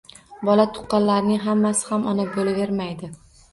Bola tuqqanlarning hammasi ham Ona bo’lavermaydi.